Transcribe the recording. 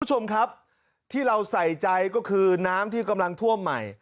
คุณผู้ชมครับที่เราใส่ใจก็คือน้ำที่กำลังท่วมใหม่